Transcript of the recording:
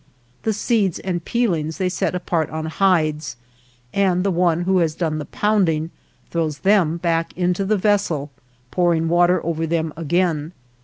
The seeds and peelings they set apart on hides, and the one who has done the pounding throws them back into the vessel, pouring water over them again.